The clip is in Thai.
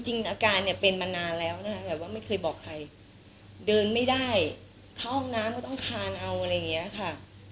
อาการเนี่ยเป็นมานานแล้วนะคะแบบว่าไม่เคยบอกใครเดินไม่ได้เข้าห้องน้ำก็ต้องคานเอาอะไรอย่างนี้ค่ะ